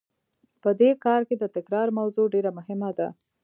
په دې کار کې د تکرار موضوع ډېره مهمه ده.